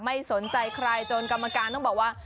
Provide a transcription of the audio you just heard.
ไม่สนใจใครจนกรรมการต้องบอกว่า